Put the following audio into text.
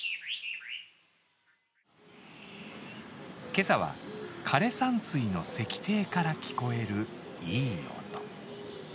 今朝は、枯山水の石庭から聞こえるいい音。